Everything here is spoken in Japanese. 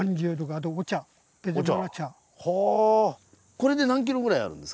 これで何ｋｇぐらいあるんですか？